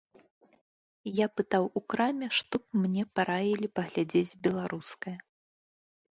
Я пытаў у краме, што б мне параілі паглядзець беларускае.